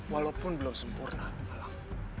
walaupun belum sempurna alang